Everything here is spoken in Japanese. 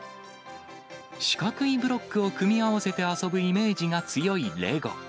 四角いブロックを組み合わせて遊ぶイメージが強いレゴ。